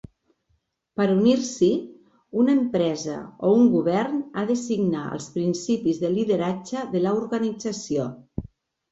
Per unir-s'hi, una empresa o un govern ha de signar els principis de lideratge de la organització.